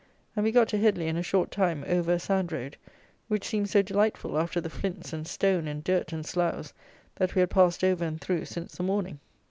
And we got to Headley in a short time, over a sand road, which seemed so delightful after the flints and stone and dirt and sloughs that we had passed over and through since the morning!